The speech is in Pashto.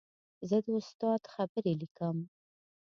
زه د استاد خبرې لیکم.